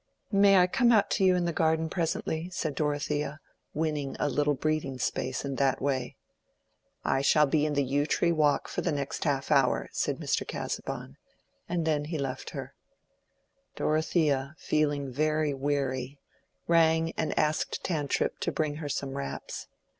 "May I come out to you in the garden presently?" said Dorothea, winning a little breathing space in that way. "I shall be in the Yew tree Walk for the next half hour," said Mr. Casaubon, and then he left her. Dorothea, feeling very weary, rang and asked Tantripp to bring her some wraps.